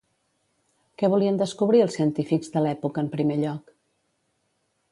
Què volien descobrir els científics de l'època en primer lloc?